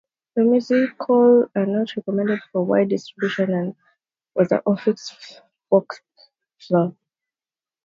The musical was not recommended for wide distribution and was a box-office flop.